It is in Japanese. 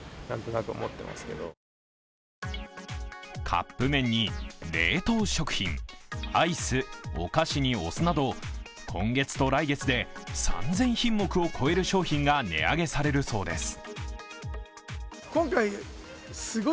カップ麺に冷凍食品アイス、お菓子にお酢など今月と来月で３０００品目を超える商品が値上げされるそうです。